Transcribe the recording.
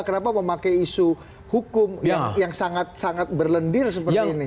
kenapa memakai isu hukum yang sangat sangat berlendir seperti ini